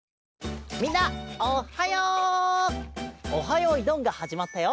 よーいどん」がはじまったよ。